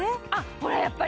ほら、やっぱり。